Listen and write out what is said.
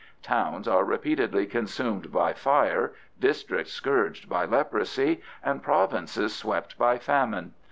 Towns are repeatedly consumed by fire, districts scourged by leprosy, and provinces swept by famine.